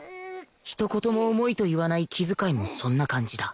ひと言も重いと言わない気遣いもそんな感じだ